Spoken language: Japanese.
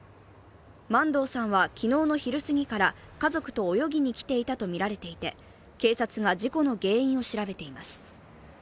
万藤さんは昨日の昼すぎから家族と泳ぎにきていたとみられていて警察が事故の原因を調べています。